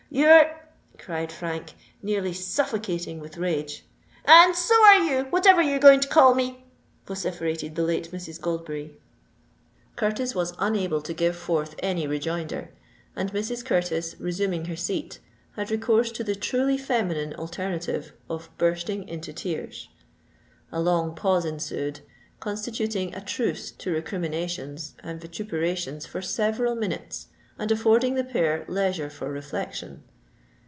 "You're——" cried Frank, nearly suffocated with rage. "And so are you, whatever you're going to call me!" vociferated the late Mrs. Goldberry. Curtis was unable to give forth any rejoinder; and Mrs. Curtis, resuming her seat, had recourse to the truly feminine alternative of bursting into tears. A long pause ensued, constituting a truce to recriminations and vituperations for several minutes, and affording the pair leisure for reflection.